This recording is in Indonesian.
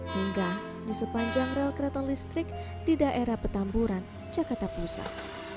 hingga di sepanjang rel kereta listrik di daerah petamburan jakarta pusat